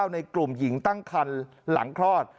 ในกลุ่มหญิงตั้งคันหลังคลอด